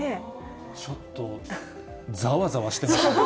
ちょっとざわざわしてますね。